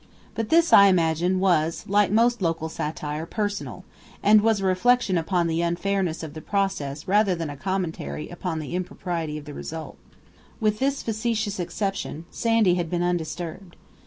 But this, I imagine, was, like most local satire, personal; and was a reflection upon the unfairness of the process rather than a commentary upon the impropriety of the result. With this facetious exception, Sandy had been undisturbed.